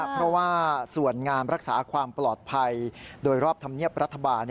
เพราะว่าส่วนงานรักษาความปลอดภัยโดยรอบธรรมเนียบรัฐบาล